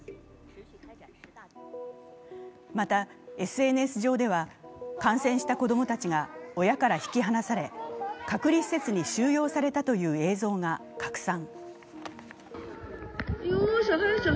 またＳＮＳ上では感染した子供たちが親から引き離され隔離施設に収容されたという映像が拡散。